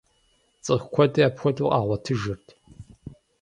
Цӏыху куэди апхуэдэу къагъуэтыжырт.